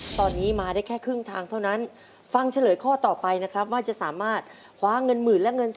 ตอนนี้มาได้แค่ครึ่งทางเท่านั้น